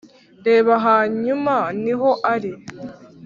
reba nyuma.niho ari